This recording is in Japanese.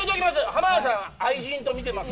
浜田さん、愛人と見てます。